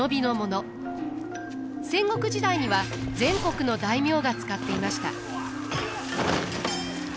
戦国時代には全国の大名が使っていました。